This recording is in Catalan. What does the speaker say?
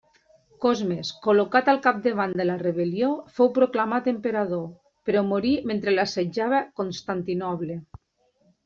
Cosmes, col·locat al capdavant de la rebel·lió, fou proclamat emperador, però morí mentre l'assetjava Constantinoble.